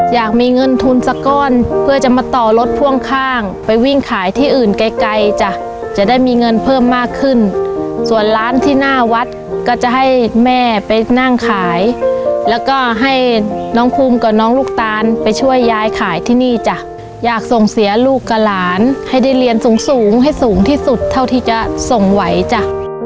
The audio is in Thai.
อยากมีเงินทุนสักก้อนเพื่อจะมาต่อรถพ่วงข้างไปวิ่งขายที่อื่นไกลไกลจ้ะจะได้มีเงินเพิ่มมากขึ้นส่วนร้านที่หน้าวัดก็จะให้แม่ไปนั่งขายแล้วก็ให้น้องภูมิกับน้องลูกตาลไปช่วยยายขายที่นี่จ้ะอยากส่งเสียลูกกับหลานให้ได้เรียนสูงสูงให้สูงที่สุดเท่าที่จะส่งไหวจ้ะ